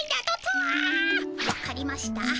わかりました。